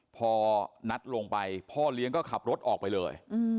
พอนัดลงไปพ่อเลี้ยงก็ขับรถออกไปเลย